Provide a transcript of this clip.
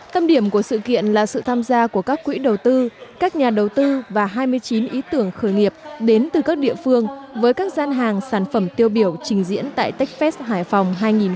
tâm điểm của sự kiện là sự tham gia của các quỹ đầu tư các nhà đầu tư và hai mươi chín ý tưởng khởi nghiệp đến từ các địa phương với các gian hàng sản phẩm tiêu biểu trình diễn tại techfest hải phòng hai nghìn một mươi chín